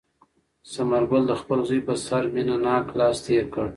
ثمر ګل د خپل زوی په سر مینه ناک لاس تېر کړ.